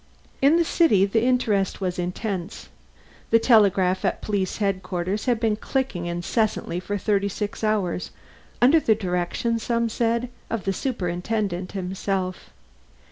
In the city the interest was intense. The telegraph at police headquarters had been clicking incessantly for thirty six hours under the direction, some said, of the superintendent himself.